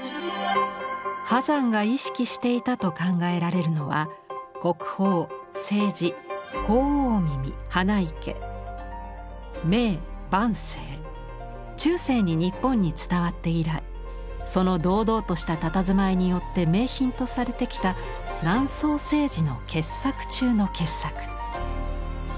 波山が意識していたと考えられるのは中世に日本に伝わって以来その堂々としたたたずまいによって名品とされてきた南宋青磁の傑作中の傑作。